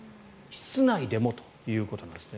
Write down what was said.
室内でもということなんですね。